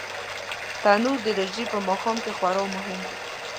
تنور د روژې په ماښام کې خورا مهم وي